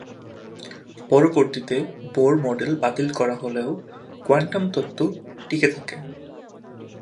পরবর্তীতে Bohr model বাতিল করা হলেও কোয়ান্টাম তত্ত্ব টিকে থাকে।